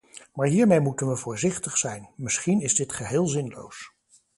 Maar hiermee moeten we voorzichtig zijn, misschien is dit geheel zinloos.